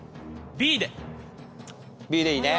Ｂでいいね。